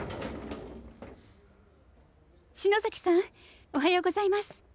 篠崎さんおはようございます。